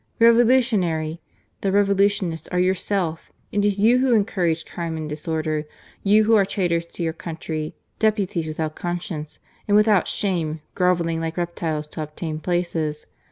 " Revolutionary !" The revolutionists are yourselves. It is you who encourage crime and dis order; you who are traitors to your country, deputies without conscience and without shame, grovelling like reptiles to obtain places.